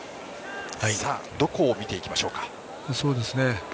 どこを見ていきましょうか。